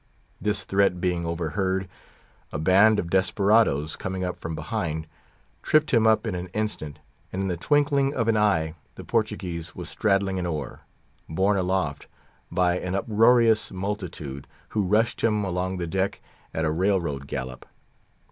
This threat being overheard, a band of desperadoes, coming up from behind, tripped him up in an instant, and in the twinkling of an eye the Portuguese was straddling an oar, borne aloft by an uproarious multitude, who rushed him along the deck at a railroad gallop.